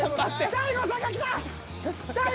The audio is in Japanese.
大悟さんが来た。